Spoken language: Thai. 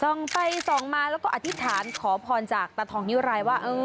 ส่องไปส่องมาแล้วก็อธิษฐานขอพรจากตาทองนิ้วรายว่า